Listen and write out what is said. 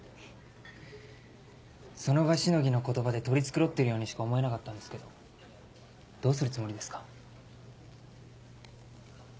その場しのぎの言葉で取り繕ってるようにしか思えなかったんですけどどうするつもりですか？